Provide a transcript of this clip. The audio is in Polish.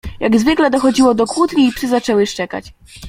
"Jak zwykle dochodziło do kłótni i psy zaczęły szczekać."